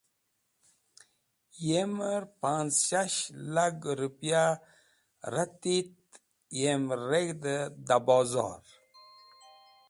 Yemer panz̃hshash lag ripya reti et yem reg̃hdi da bozor.